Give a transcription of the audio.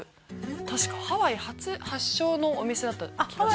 確かハワイ発祥のお店だった気がします